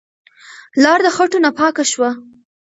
لار د خټو نه پاکه شوه.